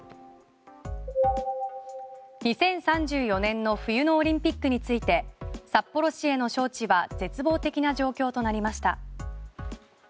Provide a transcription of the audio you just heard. ２０３４年の冬のオリンピックについて札幌市への招致は絶望的な状況となりました。